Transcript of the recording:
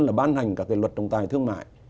là ban hành các cái luật trọng tài thương mại